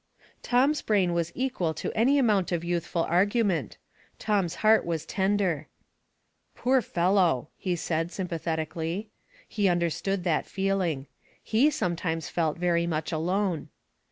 Tom's brain was equal to any amount of youthful argument. Tom's heart was tender. "Poor fellow," he said, sympathetically. He understood that feeling. He sometimes felt very much alone.